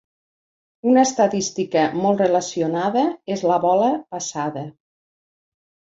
Una estadística molt relacionada és la bola passada.